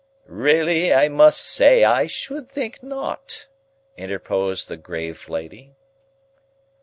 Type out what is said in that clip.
"Really I must say I should think not!" interposed the grave lady.